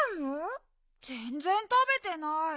ぜんぜんたべてない。